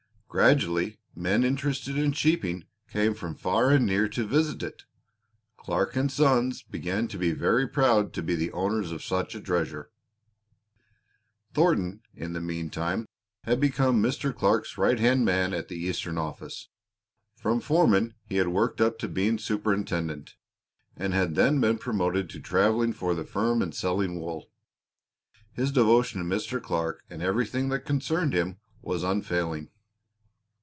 Gradually men interested in sheeping came from far and near to visit it. Clark & Sons began to be very proud to be the owners of such a treasure. Thornton, in the meantime, had become Mr. Clark's right hand man at the Eastern office. From foreman he had worked up to being superintendent, and had then been promoted to traveling for the firm and selling wool. His devotion to Mr. Clark and everything that concerned him was unfailing.